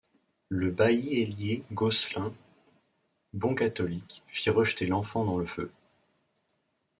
Le bailli Hélier Gosselin, bon catholique, fit rejeter l’enfant dans le feu.